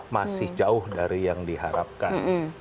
masih jauh dari yang diharapkan